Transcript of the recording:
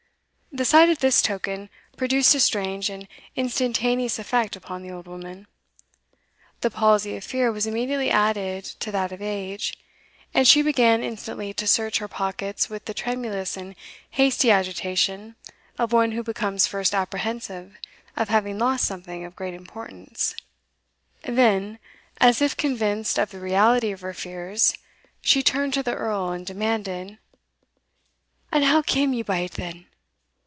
The sight of this token produced a strange and instantaneous effect upon the old woman. The palsy of fear was immediately added to that of age, and she began instantly to search her pockets with the tremulous and hasty agitation of one who becomes first apprehensive of having lost something of great importance; then, as if convinced of the reality of her fears, she turned to the Earl, and demanded, "And how came ye by it then?